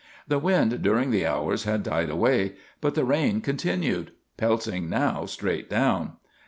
The wind during the hours had died away, but the rain continued, pelting now straight down.